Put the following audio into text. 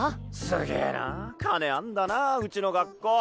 すげえな金あんだなウチの学校。